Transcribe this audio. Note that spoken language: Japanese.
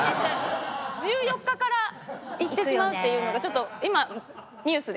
１４日から行ってしまうっていうのがちょっと今ニュースで。